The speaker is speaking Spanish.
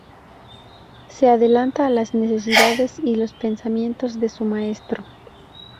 Se adelanta a las necesidades y los pensamientos de su maestro.